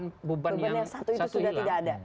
yang satu hilang beban yang satu itu sudah tidak ada